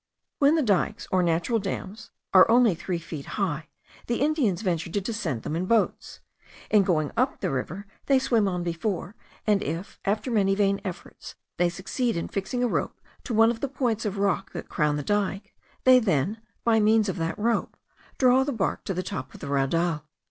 When the dikes, or natural dams, are only two or three feet high, the Indians venture to descend them in boats. In going up the river, they swim on before, and if, after many vain efforts, they succeed in fixing a rope to one of the points of rock that crown the dike, they then, by means of that rope, draw the bark to the top of the raudal.